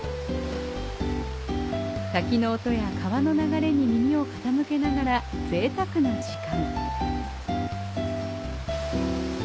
滝の音や川の流れに耳を傾けながら贅沢な時間。